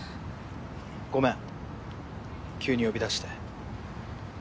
ごめん急に呼び出して。